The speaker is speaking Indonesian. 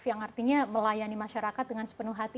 yang artinya melayani masyarakat dengan sepenuh hati